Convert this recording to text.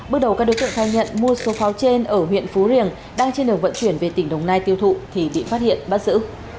bước đầu các đối tượng khai nhận mua số pháo trên ở huyện phú riềng đang trên đường vận chuyển về tỉnh đồng nai tiêu thụ thì bị phát hiện bắt giữ